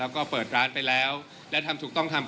ก็เปิดร้านไปแล้วและทำถูกต้องทำ